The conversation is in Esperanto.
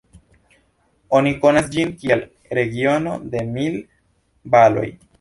Oni konas ĝin kiel regiono de mil valoj.